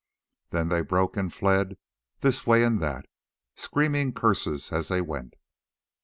Then they broke and fled this way and that, screaming curses as they went.